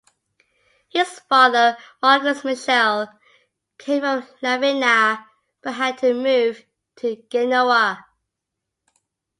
His father Marquis Michele came from Lavagna but had moved to Genoa.